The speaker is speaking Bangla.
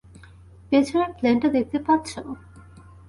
পিছনের প্লেনটা দেখতে পাচ্ছ?